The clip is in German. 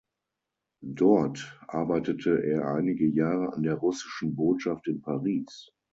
Dort arbeitete er einige Jahre an der russischen Botschaft in Paris.